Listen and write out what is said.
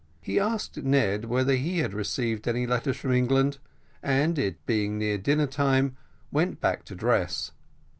He asked Ned whether he had received any letters from England, and it being dinner time, went back to dress.